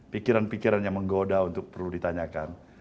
pikiran pikiran yang menggoda untuk perlu ditanyakan